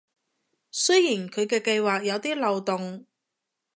雖然佢嘅計畫有啲漏洞